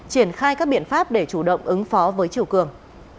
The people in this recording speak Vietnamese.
triển khai các biện pháp để chủ động ứng phó với chiều cường